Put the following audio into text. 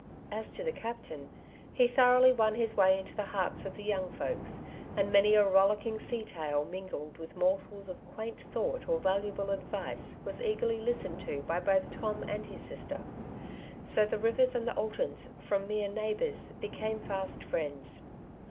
As to the captain, he thoroughly won his way into the hearts of the young folks, and many a rollicking sea tale, mingled with morsels of quaint thought or valuable advice, was eagerly listened to by both Tom and his sister. So the Eivers and the Altons from mere neisrh hours became fast friends.